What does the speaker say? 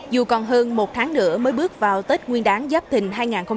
dù còn hơn một tháng nữa mới bước vào tết nguyên đáng giáp thình hai nghìn hai mươi bốn